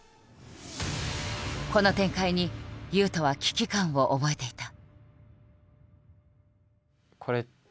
この展開に雄斗は危機感を覚えていた。